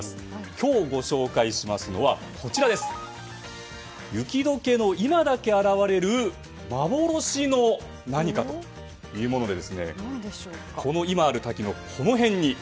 今日ご紹介しますのは雪解けの今だけ現れる幻の何かということで今ある滝のこの辺に。